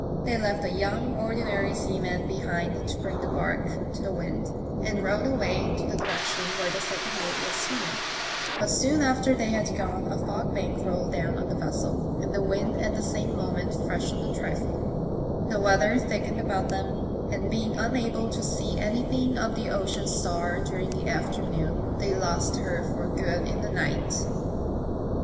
They left a young ordinary seaman behind to bring the barque to the wind, and rowed away in the direction where the second mate was swimming ; but soon after they had gone a fog bank rolled down on the vessel, the wind at the same moment freshened a trifle, the weather thickened about them, and being unable to see anything of the Ocean Star during the afternoon they lost her for good in the night.